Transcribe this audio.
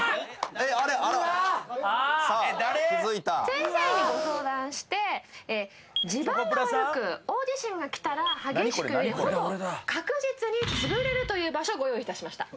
「先生にご相談して地盤が悪く大地震がきたら激しく揺れほぼ確実につぶれるという場所ご用意いたしました」